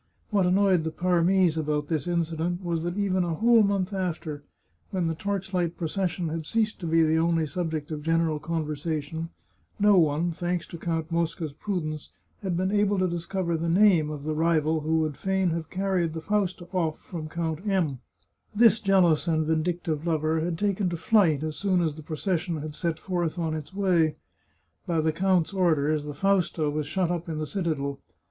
What annoyed the Parmese about this incident, was that even a whole month after, when the torch light procession had ceased to be the only subject of general conversation, no one, thanks to Count Mosca's prudence, had been able to discover the name of the rival who would fain have carried the Fausta off from Count •. 246 The Chartreuse of Parma M . This jealous and vindictive lover had taken to flight as soon as the procession had set forth on its way. By the count's orders, the Fausta was shut up in the citadel.